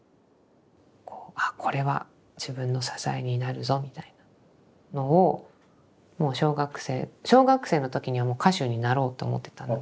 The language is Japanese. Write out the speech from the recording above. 「あこれは自分の支えになるぞ」みたいなのをもう小学生小学生の時にはもう歌手になろうと思ってたので。